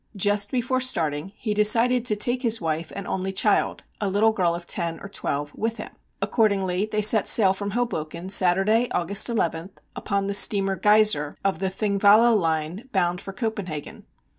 Just before starting he decided to take his wife and only child, a little girl of ten or twelve, with him. Accordingly they set sail from Hoboken Saturday, August 11, upon the steamer Geiser, of the Thingvalla Line, bound for Copenhagen.